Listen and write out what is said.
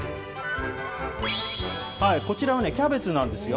こちらはキャベツなんですよ。